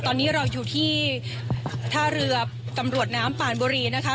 ตอนนี้เราอยู่ที่ท่าเรือตำรวจน้ำป่านบุรีนะคะ